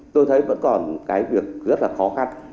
tôi thấy vẫn còn cái việc rất là khó khăn